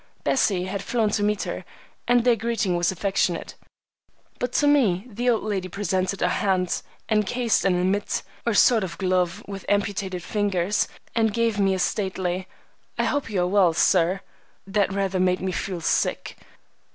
Bessie had flown to meet her, and their greeting was affectionate; but to me the old lady presented a hand encased in a mitt, or sort of glove with amputated fingers, and gave me a stately, "I hope you are well, sir," that rather made me feel sick.